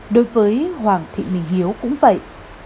đối với hoàng thị minh hiếu cũng vậy